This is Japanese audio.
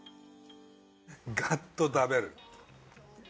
ガッと食べる。